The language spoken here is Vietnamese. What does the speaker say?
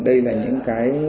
đây là những cái